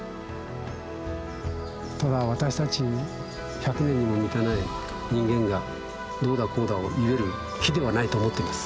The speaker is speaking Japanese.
ただ私たち１００年にも満たない人間がどうだこうだを言える木ではないと思ってます。